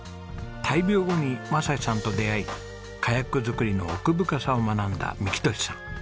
大病後に雅士さんと出会いカヤック作りの奥深さを学んだ幹寿さん。